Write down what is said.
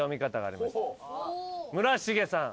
村重さん。